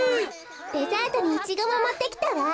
デザートにイチゴももってきたわ。